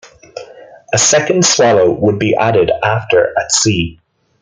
A second swallow would be added after at sea.